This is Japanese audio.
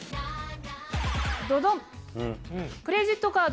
ドドン！